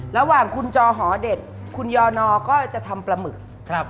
ระหว่างคุณจอหอเด็ดคุณยอนอก็จะทำปลาหมึก